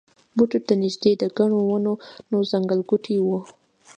بوټو ته نږدې د ګڼو ونو ځنګلګوټی و.